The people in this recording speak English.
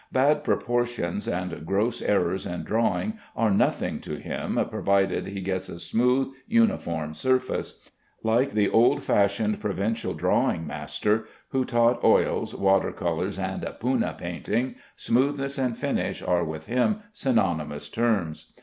Bad proportions and gross errors in drawing are nothing to him provided he gets a smooth, uniform surface. Like the old fashioned provincial drawing master, who taught oils, water colors, and Poonah painting, smoothness and finish are with him synonymous terms.